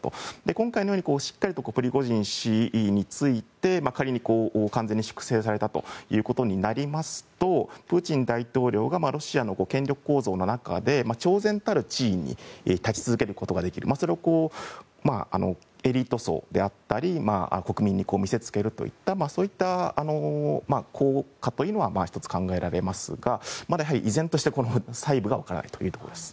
今回のようにしっかりとプリゴジン氏について仮に、完全に粛清されたということになりますとプーチン大統領がロシアの権力構造の中で超然たる地位に立ち続けることができるそれをエリート層や国民に見せつけるといった効果というのは１つ考えられますがまだ依然として細部が分からないというところです。